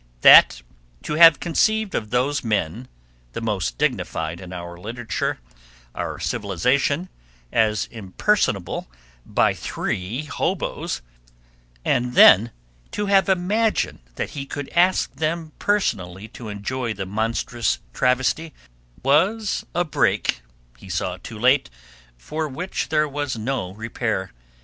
That to have conceived of those men, the most dignified in our literature, our civilization, as impersonable by three hoboes, and then to have imagined that he could ask them personally to enjoy the monstrous travesty, was a break, he saw too late, for which there was no repair.